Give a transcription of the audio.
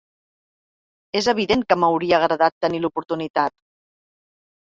És evident que m’hauria agradat tenir l’oportunitat.